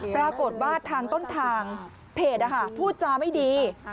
ปรากฏว่าทางต้นทางเพจพูดจาไม่ดี